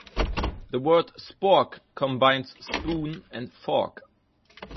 The word "spork" combines "spoon" and "fork".